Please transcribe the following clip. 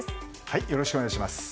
よろしくお願いします。